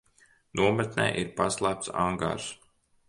Nometnē ir paslēpts angārs.